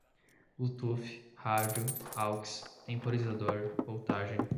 bluetooth, rádio, aux, temporarizador, voltagem